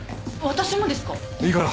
私もですか？